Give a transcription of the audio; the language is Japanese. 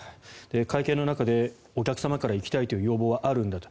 会見の中で、お客様から行きたいという要望はあるんだと。